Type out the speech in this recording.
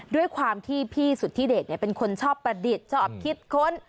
ด้วยความที่พี่สุธิเดชเป็นคนชอบประดิษฐ์ชอบคิดค้น